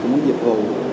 của mỗi dịch vụ